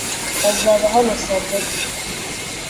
Bazaba hano saa tatu.